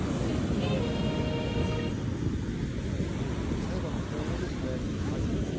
裁判の今後ですね。